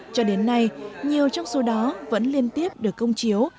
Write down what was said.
cho đến nay nhiều trong số đó vẫn liên tiếp được công chiếu